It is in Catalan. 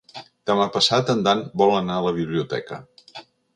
Demà passat en Dan vol anar a la biblioteca.